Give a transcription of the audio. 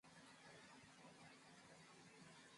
ya elfu arobaini walianguka katika miaka hiyo